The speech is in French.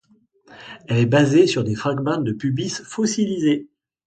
Elle est basée sur des fragments de pubis fossilisés.